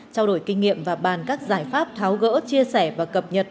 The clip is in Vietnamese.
trao đổi kinh nghiệm và bàn các giải pháp tháo gỡ chia sẻ và cập nhật